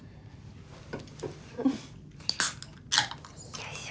よいしょ。